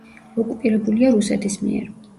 ოკუპირებულია რუსეთის მიერ.